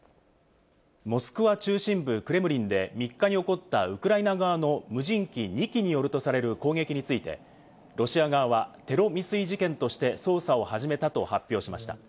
モスクワ中心部クレムリンで３日に起こったウクライナ側の無人機２機によるとされる攻撃について、ロシア側がテロ未遂事件として捜査を始めたと発表しました。